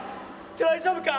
大丈夫か？